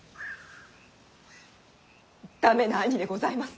駄目な兄でございます。